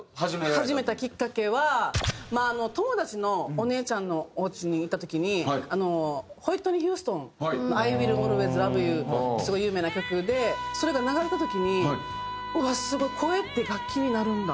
始めたきっかけは友達のお姉ちゃんのおうちに行った時にホイットニー・ヒューストンの『ＩＷｉｌｌＡｌｗａｙｓＬｏｖｅＹｏｕ』すごい有名な曲でそれが流れた時に「うわっすごい声って楽器になるんだ」。